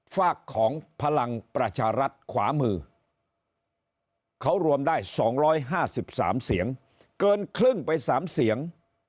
ฝากของพลังประชารัฐขวามือเขารวมได้๒๕๓เสียงเกินครึ่งไป๓เสียง